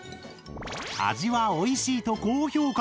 味はおいしいと高評価。